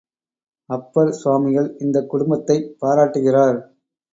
அப்பர் சுவாமிகள் இந்தக் குடும்பத்தைப் பாராட்டுகிறார்.